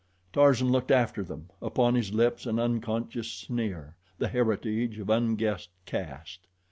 Tarzan looked after them, upon his lips an unconscious sneer the heritage of unguessed caste.